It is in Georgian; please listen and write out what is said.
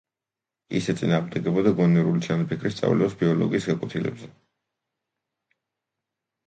ის ეწინააღმდეგებოდა გონივრული ჩანაფიქრის სწავლებას ბიოლოგიის გაკვეთილებზე.